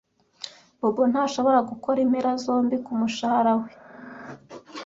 Bobo ntashobora gukora impera zombi kumushahara we.